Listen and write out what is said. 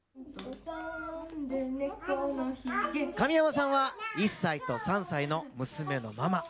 神山さんは１歳と３歳の娘のママ。